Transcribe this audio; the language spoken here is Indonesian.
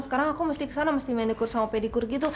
sekarang aku mesti kesana mesti menikur sama pedikur gitu